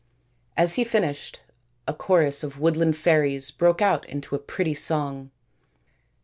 As he finished a chorus of woodland fairies broke out into a pretty song.